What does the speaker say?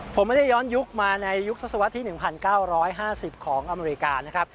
ผมไม่ได้ย้อนยุคมาในยุคศวรรษที่๑๙๕๐ของอเมริกานะครับ